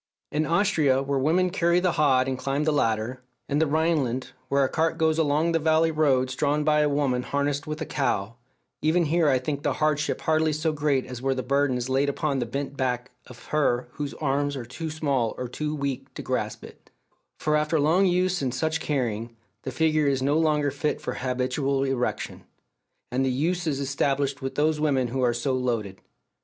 In Austria, where women carry the hod and climb the ladder; in the Rhineland, where a cart goes along the valley roads drawn by a woman harnessed with a cow even here I think the hardship hardly so great as where the burden is laid upon the bent back of her whose arms are too small or too weak to grasp it; for after long use in such carrying, the figure is no longer fit for habitual erection. And the use is established with those women who are so loaded.